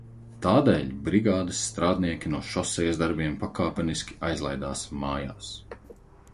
Tādēļ brigādes strādnieki no šosejas darbiem pakāpeniski aizlaidās mājās.